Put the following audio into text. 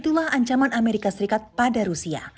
itulah ancaman amerika serikat pada rusia